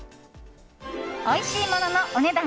おいしいもののお値段